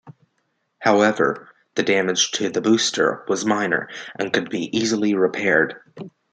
However, the damage to the booster was minor and could be easily repaired.